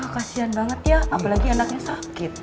kasian banget ya apalagi anaknya sakit